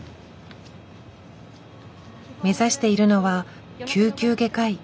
目指しているのは救急外科医。